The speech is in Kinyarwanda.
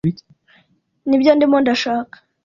Nibyo ndimo ndashaka.